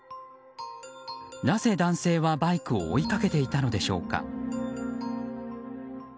なぜ男性はバイクを追いかけていたのでしょうか。